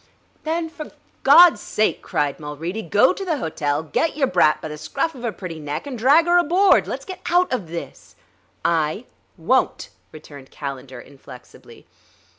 "Then, for God's sake," cried Mulready, "go to the hotel, get your brat by the scruif of her pretty neck and drag her aboard. Let's get out of this." "I won't," returned Calendar inflexibly.